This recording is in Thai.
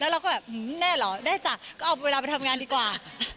เราก็แบบแน่เหรอได้จ้ะก็เอาเวลาไปทำงานดีกว่า